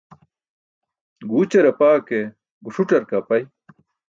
Guućar apaa ke guṣuc̣ar ke apai.